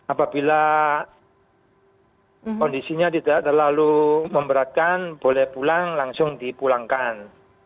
apabila kondisinya tidak terlalu memberatkan boleh pulang langsung dipulangkan